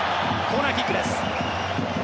コーナーキックです。